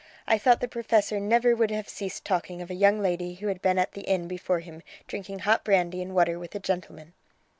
I thought the professor never would have ceased talking of a young lady who had been at the inn before him drinking hot brandy and water with a gentleman!"